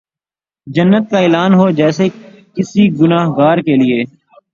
جنت کا اعلان ہو جیسے کسی گناہ گار کیلئے